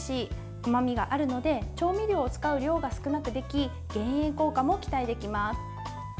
うまみがあるので調味料を使う量が少なくでき減塩効果も期待できます。